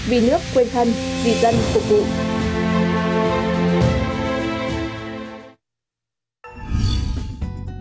vì nước quên thân vì dân phục vụ